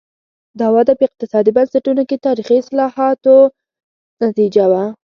دا وده په اقتصادي بنسټونو کې تاریخي اصلاحاتو نتیجه وه.